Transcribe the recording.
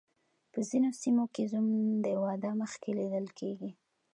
په ځینو سیمو کې زوم د واده مخکې لیدل کیږي.